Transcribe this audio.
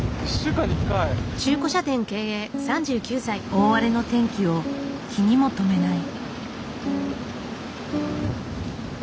大荒れの天気を気にも留めない。